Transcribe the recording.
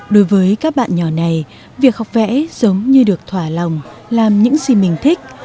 đối với các bạn nhỏ này việc học vẽ giống như được thỏa lòng làm những gì mình thích